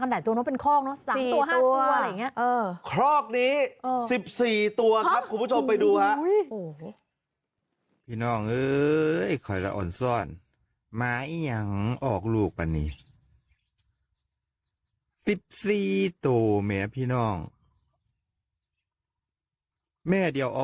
เหมือนกันนะ